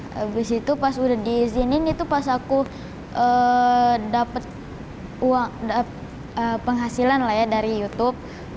habis itu pas udah diizinin itu pas aku dapat penghasilan lah ya dari youtube